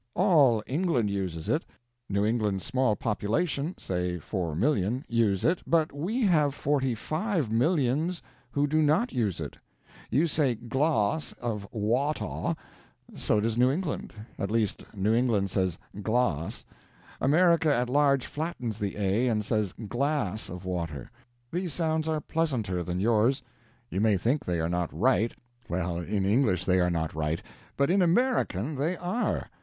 All England uses it, New England's small population say four millions use it, but we have forty five millions who do not use it. You say 'glahs of wawtah,' so does New England; at least, New England says 'glahs.' America at large flattens the 'a', and says 'glass of water.' These sounds are pleasanter than yours; you may think they are not right well, in English they are not right, but in 'American' they are.